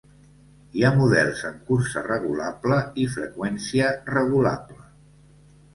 Hi ha models amb cursa regulable i freqüència regulable.